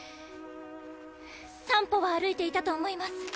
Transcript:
３歩は歩いていたと思います。